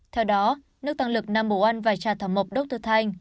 theo đó nước tăng lực nam bồ ân và trà thảo mộc dr thanh